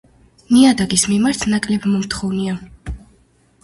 ნიადაგის მიმართ ნაკლებმომთხოვნია.